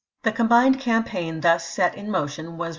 The combined campaign thus set in motion was